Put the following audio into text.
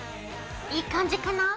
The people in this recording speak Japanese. いい感じかな？